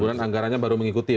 keburan anggarannya baru mengikuti